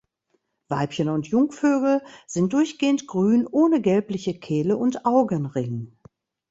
Weibchen und Jungvögel sind durchgehend grün ohne gelbliche Kehle und Augenring.